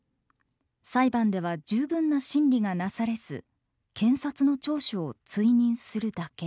裁判では十分な審理がなされず検察の調書を追認するだけ。